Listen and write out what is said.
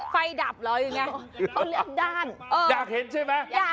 ไฟดับเหรออยู่ไงต้องเลือกด้านเอออยากเห็นใช่ไหมอยาก